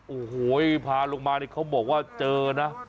โอ้โหพาลงมานี่เขาบอกว่าเจอนะ